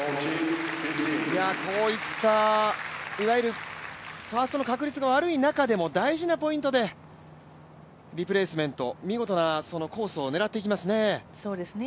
こういったファーストの確率が悪い中でも大事なポイントで、リプレイスメント、見事なコースを狙っていきますね。